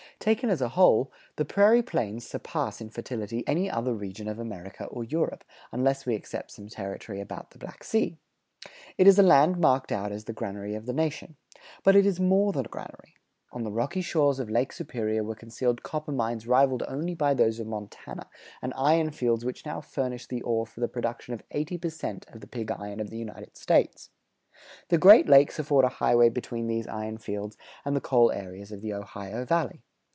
Taken as a whole, the Prairie Plains surpass in fertility any other region of America or Europe, unless we except some territory about the Black Sea. It is a land marked out as the granary of the nation; but it is more than a granary. On the rocky shores of Lake Superior were concealed copper mines rivaled only by those of Montana, and iron fields which now[129:1] furnish the ore for the production of eighty per cent of the pig iron of the United States. The Great Lakes afford a highway between these iron fields and the coal areas of the Ohio Valley.